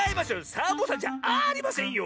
サボさんじゃありませんよ！